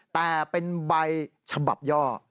แต่เป็นใบฉบับย่อ